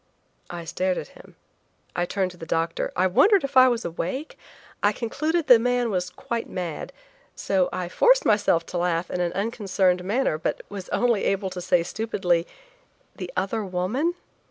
I stared at him; I turned to the doctor; I wondered if I was awake; I concluded the man was quite mad, so I forced myself to laugh in an unconcerned manner, but I was only able to say stupidly: "The other woman?"